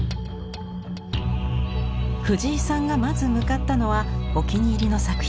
藤井さんがまず向かったのはお気に入りの作品。